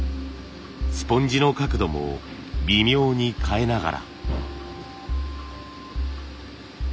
スポンジの角度も微妙に変えながら。